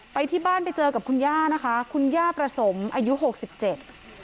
ไปที่บ้านไปเจอกับคุณย่านะคะคุณย่าประสมอายุหกสิบเจ็ด